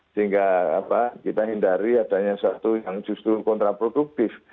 sehingga kita hindari adanya suatu yang justru kontraproduktif